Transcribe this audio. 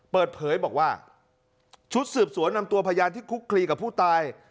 เปิดเผยบอกว่าชุดสืบสวนนำตัวพยานที่คุกคลีกับผู้ตาย